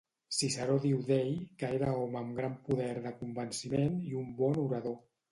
Ciceró diu d'ell que era home amb gran poder de convenciment i un bon orador.